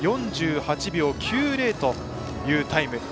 ４８秒９０というタイム。